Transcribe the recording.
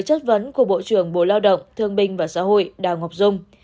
chất vấn của bộ trưởng bộ lao động thương binh và xã hội đào ngọc dung